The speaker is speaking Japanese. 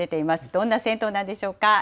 どんな銭湯なんでしょうか。